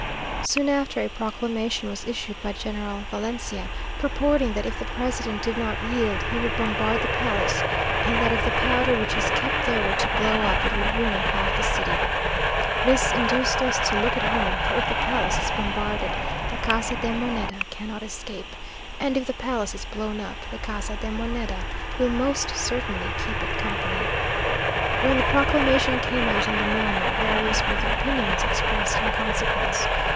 Soon after a proclamation was issued by General Valencia, purporting that if the president did not yield, he would bombard the palace; and that if the powder which is kept there were to blow up, it would ruin half the city. This induced us to look at home, for if the palace is bombarded, the Casa de Moneda cannot escape, and if the palace is blown up, the Casa de Moneda will most certainly keep it company. When the proclamation came out in the morning, various were the opinions expressed in consequence.